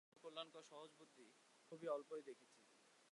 মানুষের ভেতর এমন তীক্ষ্ণ অথচ কল্যাণকর সহজ বুদ্ধি খুব অল্পই দেখেছি।